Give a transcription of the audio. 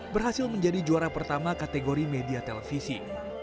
berhasil menjadi juara pertama kategori media televisi